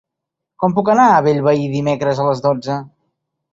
Com puc anar a Bellvei dimecres a les dotze?